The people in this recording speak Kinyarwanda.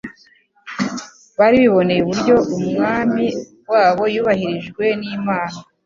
bari biboncye uburyo Umwami wabo yubahirijwe n'Imana,